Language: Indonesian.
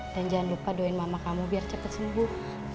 dan jangan lupa doain mama kamu biar cepet sembuh